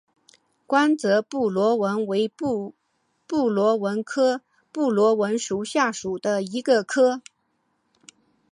光泽布纹螺为布纹螺科布纹螺属下的一个种。